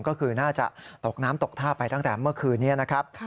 ก็คือน่าจะตกน้ำตกท่าไปตั้งแต่เมื่อคืนนี้นะครับ